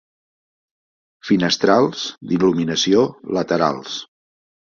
Finestrals, d'il·luminació, laterals.